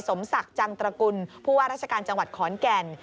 สมศักดิ์จังตระกุลผู้ว่าราชการจังหวัดขอนแก่น